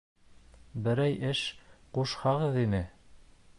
Берәй эш ҡушһағыҙ ине!